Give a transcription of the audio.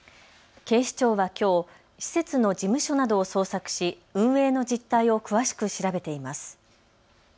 警視庁はきょう、施設の事務所などを捜索し運営の実態を詳しく調べています。